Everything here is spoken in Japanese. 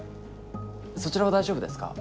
そちらは大丈夫ですか？